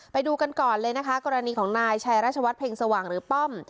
ไปดูกันก่อนเลยนะคะกรณีของนายชัยราชวัฒนเพ็งสว่างหรือป้อม